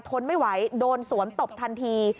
ทนไม่ไหวโดนสวนตบทันที